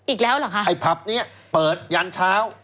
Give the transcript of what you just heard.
อีกแล้วเหรอคะไอยพรรคนี้เปิดยันชาว